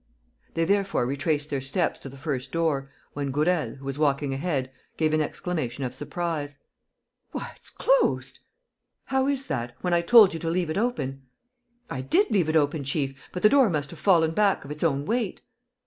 They therefore retraced their steps to the first door, when Gourel, who was walking ahead, gave an exclamation of surprise: "Why, it's closed! ..." "How is that? When I told you to leave it open!" "I did leave it open, chief, but the door must have fallen back of its own weight."